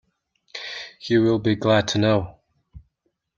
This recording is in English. He will be glad to know!